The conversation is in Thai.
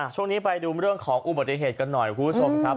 ช่วงนี้ไปดูเรื่องของอุบัติเหตุกันหน่อยคุณผู้ชมครับ